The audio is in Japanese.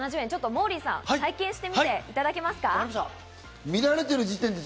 モーリーさん、体験してみてもらえますか？